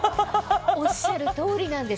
おっしゃる通りなんです。